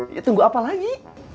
ya tunggu apa lagi